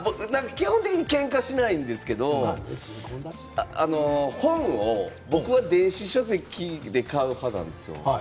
基本的にけんかしないんですけれど本を僕は電子書籍で買う派なんです。